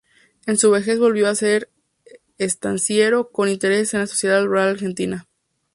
En su vejez volvió a ser estanciero, con intereses en la Sociedad Rural Argentina.